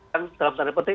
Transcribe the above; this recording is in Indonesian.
yang dalam tanda petik